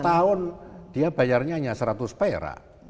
setahun dia bayarnya hanya seratus perak